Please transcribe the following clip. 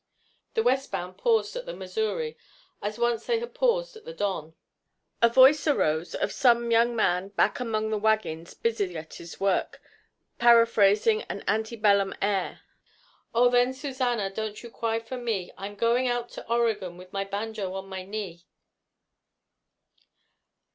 The west bound paused at the Missouri, as once they had paused at the Don. A voice arose, of some young man back among the wagons busy at his work, paraphrasing an ante bellum air: _Oh, then, Susannah, Don't you cry fer me! I'm goin' out to Oregon, With my banjo on my knee!